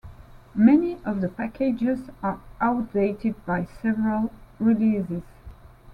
Many of the packages are outdated by several releases.